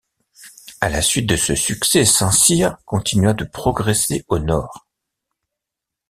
À la suite de ce succès, Saint-Cyr continua de progresser au nord.